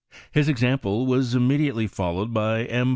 His example was irotnediaiely followed by M.